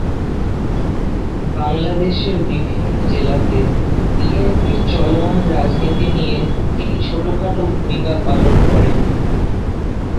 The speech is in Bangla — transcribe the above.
বাংলাদেশের বিভিন্ন জেলাতে বিএনপির চলমান রাজনীতি নিয়ে তিনি ছোটখাটো ভূমিকা পালন করেন।